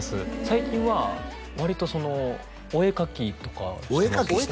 最近は割とそのお絵描きとかしてます